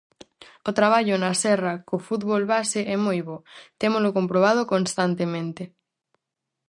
O traballo na serra co fútbol base é moi bo, témolo comprobado constantemente.